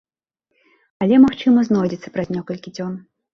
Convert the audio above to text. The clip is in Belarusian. Але, магчыма, знойдзецца праз некалькі дзён.